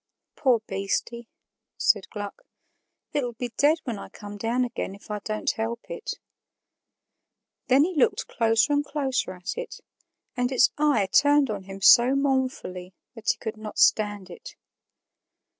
"Poor beastie," said Gluck, "it'll be dead when I come down again, if I don't help it." Then he looked closer and closer at it, and its eye turned on him so mournfully that he could not stand it.